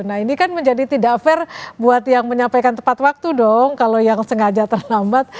nah ini kan menjadi tidak fair buat yang menyampaikan tepat waktu dong kalau yang sengaja terlambat